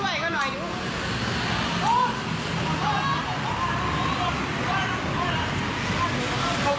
ก็ไหว้แล้วก็พอดีเดี๋ยว